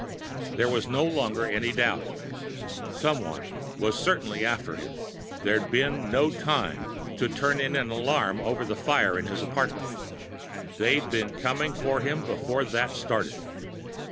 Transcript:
There was no longer any doubt. Someone was certainly after him there'd been no time to turn in an alarm over the fire in his apartment. They'd been coming for him before that started.